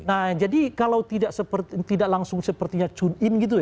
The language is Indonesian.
nah jadi kalau tidak langsung sepertinya tune in gitu ya